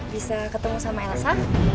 bisa ketemu sama elsa